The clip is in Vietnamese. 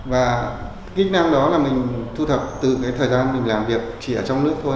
và kỹ năng đó là mình thu thập từ cái thời gian mình làm việc chỉ ở trong nước thôi